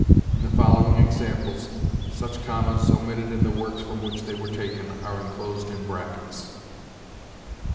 In the following examples, such commas, omitted in the works from which they were taken, are inclosed in brackets: "1.